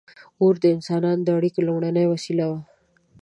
• اور د انسانانو د اړیکو لومړنۍ وسیله وه.